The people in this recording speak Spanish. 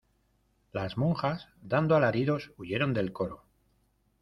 las monjas, dando alaridos , huyeron del coro.